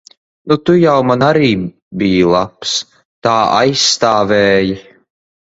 Nu, tu jau man arī biji labs. Tā aizstāvēji.